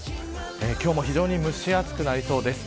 今日も非常に蒸し暑くなりそうです。